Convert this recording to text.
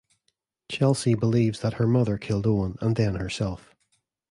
Chelsea believes that her mother killed Owen and then herself.